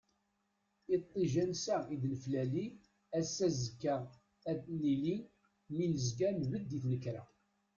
Iṭij ansa i d-neflali, ass-a azekka ad nili, mi nezga nbedd i tnekra.